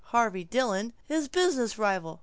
Harvey Dillon His business rival.